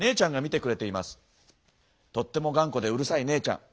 とっても頑固でうるさい姉ちゃん。